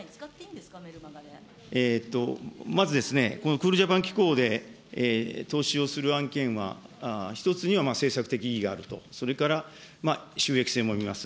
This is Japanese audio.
まずですね、このクールジャパン機構で投資をする案件は１つには政策的意義があると、それから収益性も見ます。